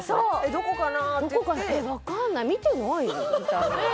どこかな？って言って分かんない見てないよみたいなえ